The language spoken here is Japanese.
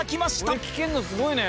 これ聞けるのすごいね。